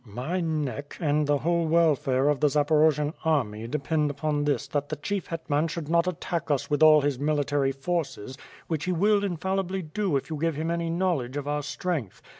"My neck, and the whole welfare of the Zaporojian army depend upon this that the chief hetman should not attack us with all his military forces, which he will infallibly do if you give him any knowledge of our strength.